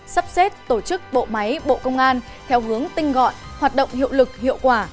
sắp xếp tổ chức bộ máy bộ công an theo hướng tinh gọn hoạt động hiệu lực hiệu quả